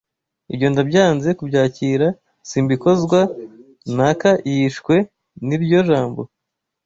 Ibyo ndabyanze kubyakira simbikozwa naka yishwe ni ryo jambo,